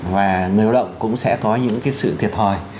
và người lao động cũng sẽ có những cái sự thiệt hồi